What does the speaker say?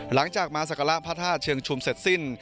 หลังจากมาสักการะพระธาตุเชิงชุมเสร็จสิ้น